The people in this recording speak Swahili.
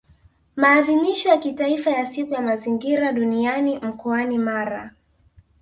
Maadhimisho ya Kitaifa ya Siku ya mazingira duniani mkoani Mara